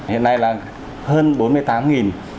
hiện nay là hơn bốn mươi tám